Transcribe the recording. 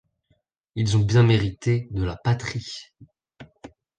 Ils ont bien mérité de la patrie.